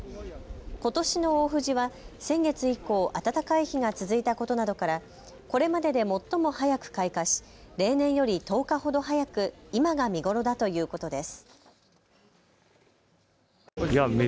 ことしの大藤は先月以降、暖かい日が続いたことなどからこれまでで最も早く開花し例年より１０日ほど早く今が見頃だということです。